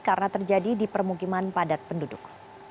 karena terjadi di permukiman padat penduduk